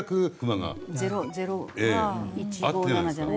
００１５７じゃない。